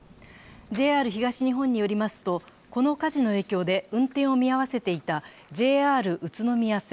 ＪＲ東日本によりますとこの火事の影響で、運転を見合わせていたＪＲ宇都宮線、